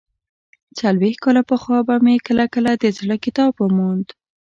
څلوېښت کاله پخوا به مې کله کله د زړه کتاب وموند.